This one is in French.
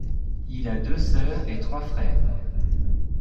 Il a deux sœurs et trois frères.